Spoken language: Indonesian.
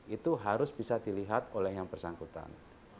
itu harus bisa dilihat oleh yang bersangkutan